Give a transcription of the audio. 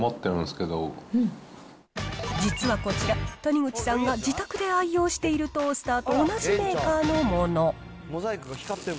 実はこちら、谷口さんが自宅で愛用しているトースターと同じメーカーのもの。